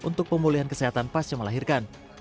untuk pemulihan kesehatan pasca melahirkan